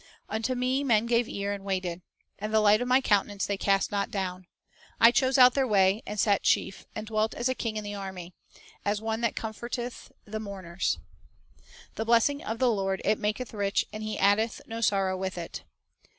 "Unto me men gave ear, and waited. ... And the light of my countenance they cast not down. I chose out their way, and sat chief, And dwelt as a king in the army, As one that comforteth tlic mourners." 3 "The blessing of the Lord, it maketh rich, and He addeth no sorrow with it."